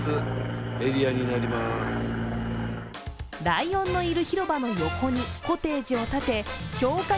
ライオンのいる広場の横にコテージを建て強化